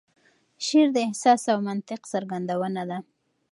شعر د احساس او منطق څرګندونه ده.